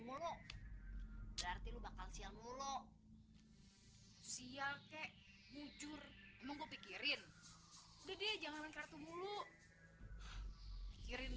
mulu berarti lu bakal siang mulu siakek bujur mau pikirin udah deh jangan kreatif mulu kirim